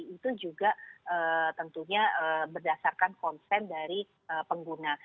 itu juga tentunya berdasarkan konsen dari pengguna